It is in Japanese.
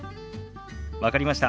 分かりました。